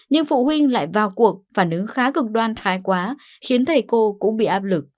nhưng phụ huynh lại vào cuộc phản ứng khá cực đoan thái quá khiến thầy cô cũng bị áp lực